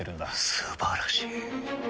素晴らしい。